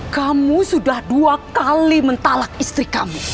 kamu sudah dua kali mentalak istri kamu